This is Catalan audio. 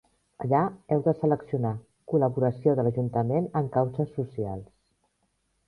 Allà heu de seleccionar "col·laboració de l'ajuntament en causes socials".